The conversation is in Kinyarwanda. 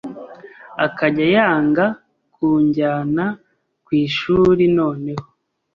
akajya yanga kunjyana ku ishuri noneho